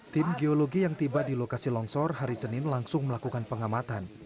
tim geologi yang tiba di lokasi longsor hari senin langsung melakukan pengamatan